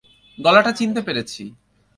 গলাটা চিনতে পেরেছি।